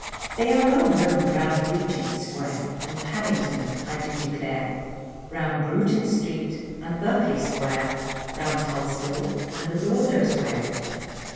They are well known round Regent Square. And Paddington I do declare, Round Bruton street, and Berkeley Square, Round Tulse Hill, and the lord knows where.